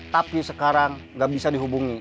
tapi sekarang nggak bisa dihubungi